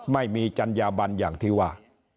ไม่มีจัญญาบันอย่างที่ว่า